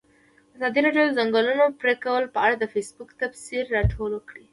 ازادي راډیو د د ځنګلونو پرېکول په اړه د فیسبوک تبصرې راټولې کړي.